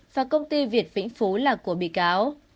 và công ty việt vĩnh phú là của bị cáo